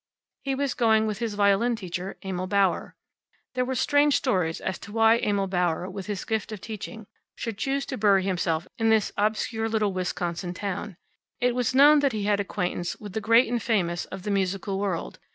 He was going with his violin teacher, Emil Bauer. There were strange stories as to why Emil Bauer, with his gift of teaching, should choose to bury himself in this obscure little Wisconsin town. It was known that he had acquaintance with the great and famous of the musical world.